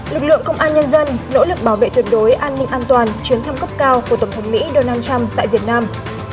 lực lượng công an nhân dân nỗ lực bảo vệ tuyệt đối an ninh an toàn chuyến thăm cấp cao của tổng thống mỹ donald trump tại việt nam